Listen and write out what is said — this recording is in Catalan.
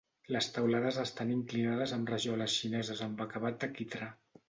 Les teulades estan inclinades amb rajoles xineses amb acabat de quitrà.